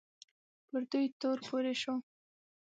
پر دوی تور پورې شو